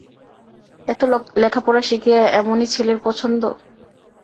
এত লেখাপড়া শিখিয়া এমনি ছেলের পছন্দ!